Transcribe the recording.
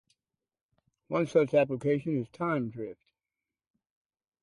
One such application is time drift.